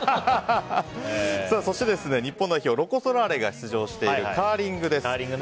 そして、日本代表ロコ・ソラーレが出場しているカーリングです。